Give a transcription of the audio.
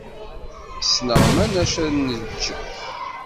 Ssneɣ manec ad neǧǧ.